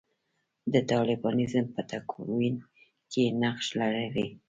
د طالبانیزم په تکوین کې یې نقش لرلی دی.